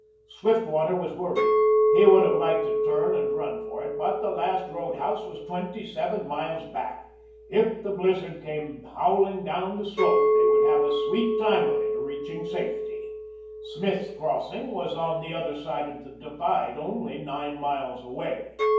Swiftwater was worried. He would have liked to turn and run for it. But the last roadhouse was twenty seven miles back. If the blizzard came howling down the slope they would have a sweet time of it reaching safety. Smith's Crossing was on the other side of the divide, only nine miles away.